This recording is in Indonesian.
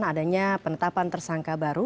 adanya penetapan tersangka baru